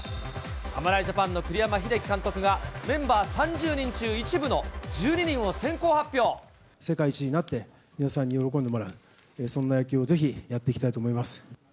侍ジャパンの栗山英樹監督が、メンバー３０人中、世界一になって、皆さんに喜んでもらう、そんな野球を、ぜひやっていきたいと思います。